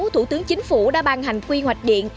thủ tướng chính phủ đã ban hành quy hoạch điện